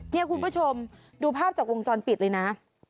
นี่คุณผู้ชมดูภาพจากวงจรปิดเลยนะ